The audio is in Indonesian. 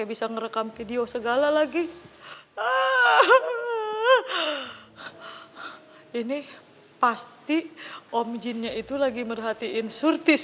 ini si surti